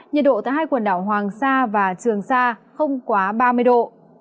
nhiệt độ tại hai quần đảo hoàng sa và trường sa không quá ba mươi độ